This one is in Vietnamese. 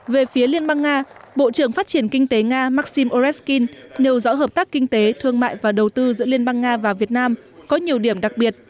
về phía liên bang nga bộ trưởng phát triển kinh tế nga maxim orezkin nêu rõ hợp tác kinh tế thương mại và đầu tư giữa liên bang nga và việt nam có nhiều điểm đặc biệt